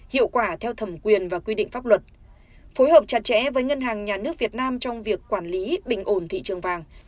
hiệu quả theo thẩm quyền và quy định pháp luật phối hợp chặt chẽ với ngân hàng nhà nước việt nam trong việc quản lý bình ổn thị trường vàng